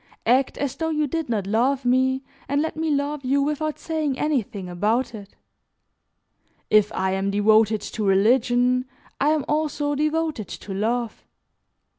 Act as though you did not love me and let me love you without saying anything about it. If I am devoted to religion, I am also devoted to love.